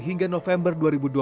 hingga november dua ribu dua puluh